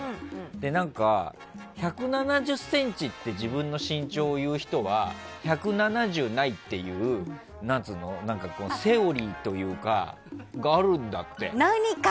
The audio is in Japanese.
で、１７０ｃｍって自分の身長を言う人は１７０ないっていうセオリーがあるんだって。